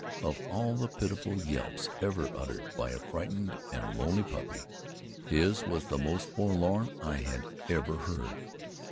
Of all the pitiful yelps ever uttered by a frightened and lonely puppy, his were the most forlorn I had ever heard.